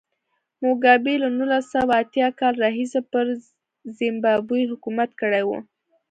موګابي له نولس سوه اتیا کال راهیسې پر زیمبابوې حکومت کړی و.